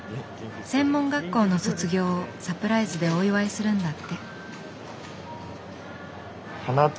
専門学校の卒業をサプライズでお祝いするんだって。